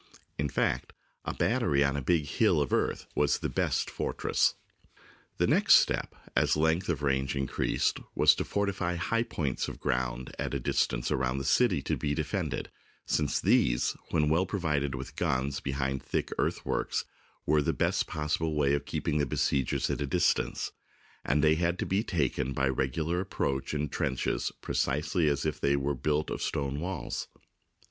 In fact, a battery on a big hill of earth was the best fortress. The next step, as length of range increased, was to fortify high points of ground at a distance around the city to be defended, since these, when well provided with guns behind thick earthworks, were the best possible way of keeping the besiegers at a distance ; and they had to be taken by regular approach in trenches precisely as if they were built of stone walls.